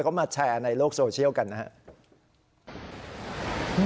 เขามาแชร์ในโลกโซเชียลกันนะครับ